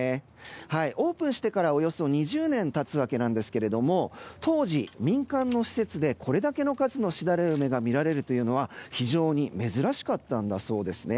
オープンしてからおよそ２０年経つわけですが当時、民間の施設でこれだけの数のしだれ梅が見られるというのは非常に珍しかったんだそうです。